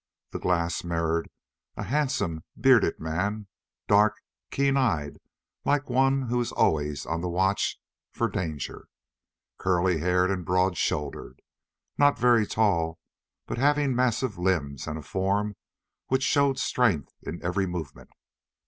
The glass mirrored a handsome bearded man, dark, keen eyed like one who is always on the watch for danger, curly haired and broad shouldered; not very tall, but having massive limbs and a form which showed strength in every movement.